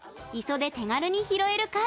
磯で手軽に拾える貝。